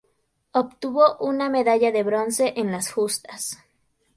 Obtuvo una medalla de bronce en las justas.